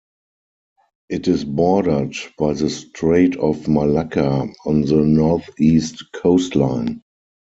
It is bordered by the Strait of Malacca on the northeast coastline.